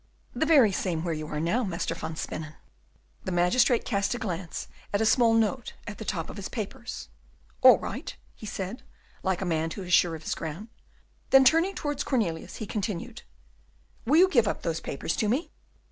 "The very same where you now are, Master van Spennen." The magistrate cast a glance at a small note at the top of his papers. "All right," he said, like a man who is sure of his ground. Then, turning round towards Cornelius, he continued, "Will you give up those papers to me?"